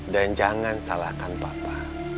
dan jangan salahkan papa